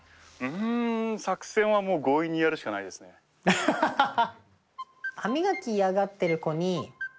アハハハハ！